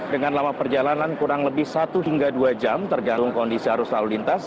dengan lama perjalanan kurang lebih satu hingga dua jam tergantung kondisi arus lalu lintas